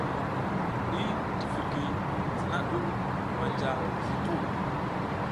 I tifiki zana ɗu manja slipuw.